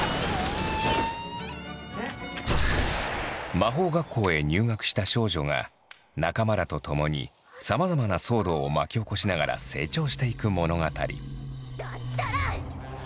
魔法学校へ入学した少女が仲間らとともにさまざまな騒動を巻き起こしながら成長していく物語。